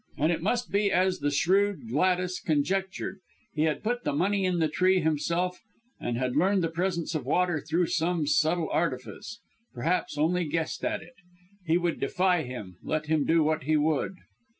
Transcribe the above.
And it must be as the shrewd Gladys conjectured he had put the money in the tree himself and had learned of the presence of water through some subtle artifice perhaps only guessed at it. He would defy him let him do what he would!